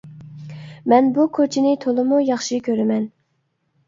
مەن بۇ كوچىنى تولىمۇ ياخشى كۆرىمەن.